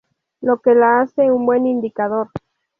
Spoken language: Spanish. Lo que la hace un buen indicador.